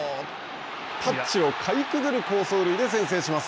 タッチをかいくぐる好走塁で先制します。